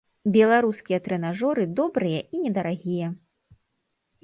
Беларускія трэнажоры добрыя і недарагія.